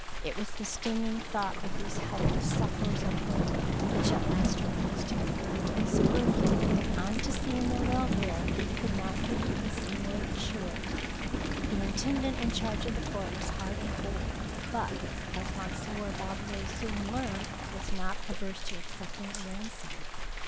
It was the stinging thought of these helpless sufferers at home which at last aroused him, and spurred him on to see if their welfare could not be in some 207 DEEDS OF DAKING way assured. The intendant in charge of the fort was hard and cold, but, as Monsieur Valvier soon learned, was not averse to accepting a ransom.